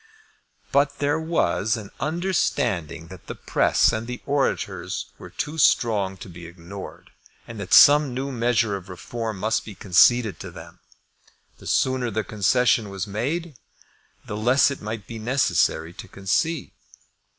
But there was an understanding that the press and the orators were too strong to be ignored, and that some new measure of Reform must be conceded to them. The sooner the concession was made, the less it might be necessary to concede.